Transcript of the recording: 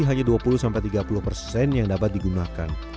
hanya dua puluh tiga puluh persen yang dapat digunakan